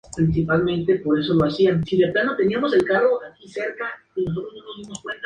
En octubre de ese mismo año la Fundación dejó de existir.